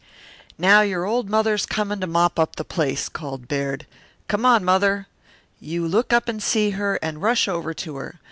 "Now your old mother's coming to mop up the place," called Baird. "Come on, Mother! You look up and see her, and rush over to her.